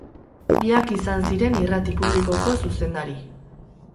Biak izan ziren irrati publikoko zuzendari.